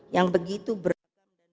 yang begitu berat